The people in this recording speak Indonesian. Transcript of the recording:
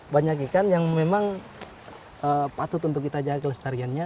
banyak ikan yang memang patut untuk kita jaga kelestariannya